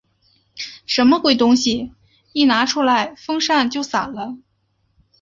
什么鬼东西？一拿出来风扇就散了。